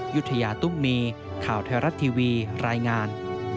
ยุธยาตุ้มมีข่าวไทยรัฐทีวีรายงาน